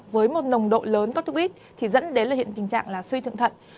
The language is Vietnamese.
với một nồng độ lớn corticoid thì dẫn đến hiện tình trạng suy thượng thận